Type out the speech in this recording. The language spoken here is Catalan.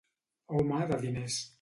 Home de diners.